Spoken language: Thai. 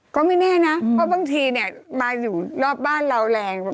ก็ไม่แน่นะเพราะบางทีเนี่ยมาอยู่รอบบ้านเราแรง